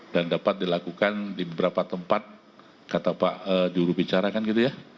dan dapat dilakukan di beberapa tempat kata pak juru bicara kan gitu ya